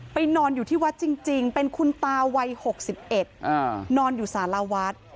นอนอยู่ที่วัดจริงเป็นคุณตาวัย๖๑นอนอยู่สารวัฒน์